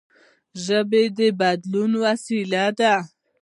ژبه د بدلون وسیله ده.